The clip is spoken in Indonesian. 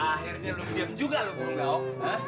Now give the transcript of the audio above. akhirnya lo diam juga loh bung gauk